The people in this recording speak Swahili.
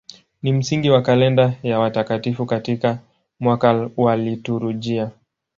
Ni msingi wa kalenda ya watakatifu katika mwaka wa liturujia.